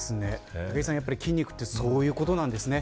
武井さん、筋肉ってそういうことなんですね。